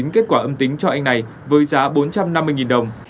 kết quả âm tính cho anh này với giá bốn trăm năm mươi đồng